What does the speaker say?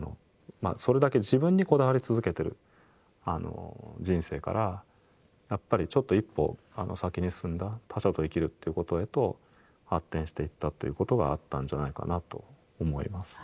それだけ自分にこだわり続けてる人生からやっぱりちょっと一歩先に進んだ他者と生きるってことへと発展していったっていうことはあったんじゃないかなと思います。